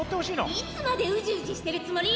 いつまでうじうじしてるつもり？